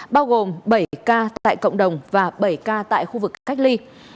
bao gồm bảy ca tại cộng đồng và bảy ca tại khu vực cách ly